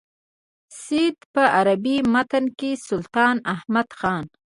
سید په عربي متن کې سلطان احمد خان.